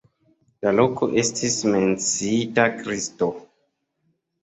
La loko estis menciita Kristo.